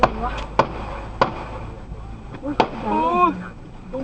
อะไรเนี่ย